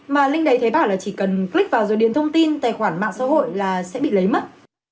mà linh đấy thấy bảo là chỉ cần click vào rồi điền thông tin tài khoản mạng xã hội là sẽ bị lấy mất